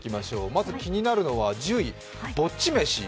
まず気になるのは１０位、ぼっち飯。